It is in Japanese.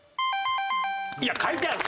いや書いてある！